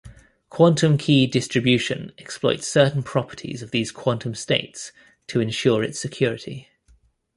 Quantum key distribution exploits certain properties of these quantum states to ensure its security.